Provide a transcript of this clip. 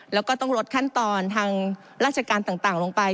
แล้วก็ต้องลดขั้นตอนทางราชการต่างลงไป